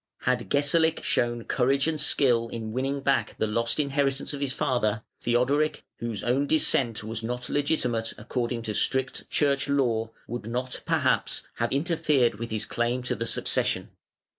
Had Gesalic shown courage and skill in winning back the lost inheritance of his father, Theodoric, whose own descent was not legitimate according to strict church law, would not, perhaps, have interfered with his claim to the succession.